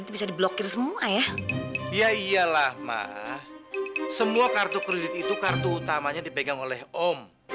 pak mah semua kartu kredit itu kartu utamanya dipegang oleh om